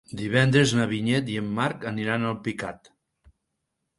Divendres na Vinyet i en Marc aniran a Alpicat.